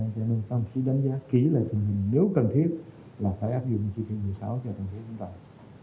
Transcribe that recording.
thì mình sẽ đánh giá kỹ lại nếu cần thiết là phải áp dụng chương trình một mươi sáu cho tổng thống tài